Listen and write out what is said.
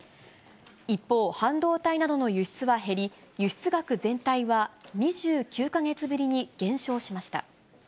一方、半導体などの輸出は減り、輸出額全体は２９か月ぶりに減少しました。